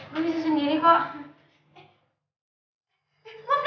lo bisa sendiri pak